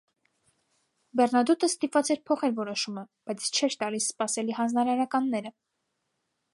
Բերնադոտը ստիպված էր փոխել որոշումը, բայց չէր տալիս սպասելի հանձնարարականները։